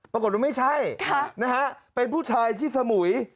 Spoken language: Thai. ปรากฏว่าไม่ใช่นะฮะเป็นผู้ชายที่สมุย